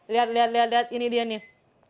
lihat lihat lihat ini dia nih